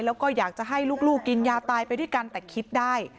แล้วก็อยากจะให้ลูกกินยาตายไปด้วยกันแต่คิดได้